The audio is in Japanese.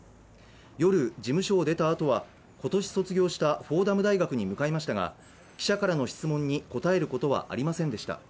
夜、事務所を出たあとは今年卒業したフォーダム大学に向かいましたが、記者からの質問に答えることはありませんでした。